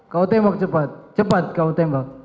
kau tembak cepat